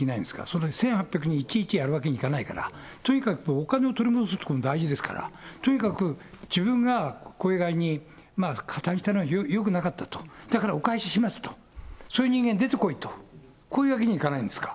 それ、１８００人、いちいちやるわけにいかないから、とにかくお金を取り戻すことが大事ですから、とにかく自分が、こういう具合に、加担したのはよくなかったと、だからお返ししますと、そういう人間出てこいと、こういうわけにいかないんですか？